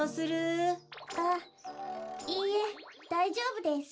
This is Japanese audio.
あっいいえだいじょうぶです。